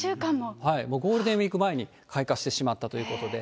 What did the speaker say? ゴールデンウィーク前に開花してしまったということで。